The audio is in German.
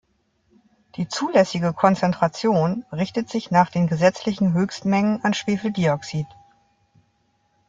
Die zulässige Konzentration richtet sich nach den gesetzlichen Höchstmengen an Schwefeldioxid.